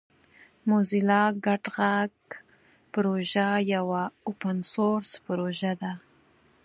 موزیلا ګډ غږ پروژه یوه اوپن سورس پروژه ده.